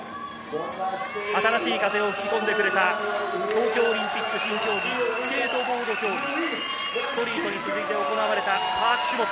新しい風を吹き込んでくれた東京オリンピック新競技、スケートボード競技・ストリートに続いて行われたパーク種目。